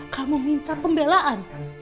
kamu minta pembelaan